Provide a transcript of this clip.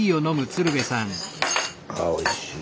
あおいしい。